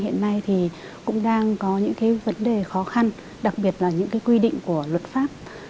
hiện nay thì cũng đang có những cái vấn đề khó khăn đặc biệt là những cái quy định của luật pháp